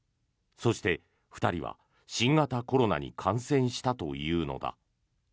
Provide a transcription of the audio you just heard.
そして、２人は新型コロナに感染したというのだ。